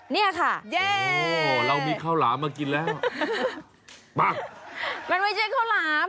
นี่ค่ะโอ้โฮเรามีข้าวหลามมากินแล้วปั๊กมันไม่ใช่ข้าวหลาม